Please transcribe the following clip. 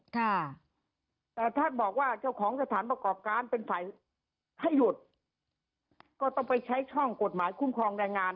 ค่ะแต่ท่านบอกว่าเจ้าของสถานประกอบการเป็นฝ่ายให้หยุดก็ต้องไปใช้ช่องกฎหมายคุ้มครองแรงงาน